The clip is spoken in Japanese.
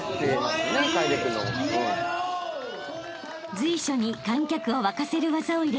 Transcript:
［随所に観客を沸かせる技を入れた溝垣選手］